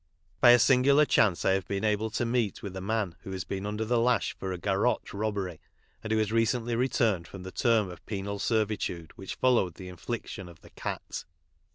I>y a singular chance I have been able to meet with a man who has been under the lash for a garotte robbery, and who has recently returned from the term of penal servitude which followed the inflic tion of the " cat.''